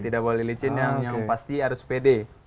tidak boleh licin yang pasti harus pede